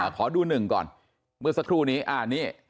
ขอดู๑ก่อนเมื่อสักครู่นี้